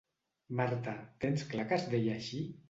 Marta, tens clar que es deia així?